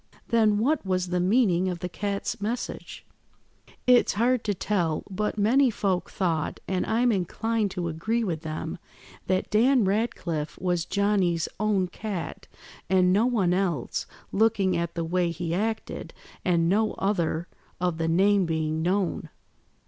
"Then, what was the meaning of the cat's message?" "It's hard to tell; but many folk thought, and I'm inclined to agree with them, that Dan Ratcliffe was Johnny's own cat, and no one else, looking at the way he acted, and no other of the name being known.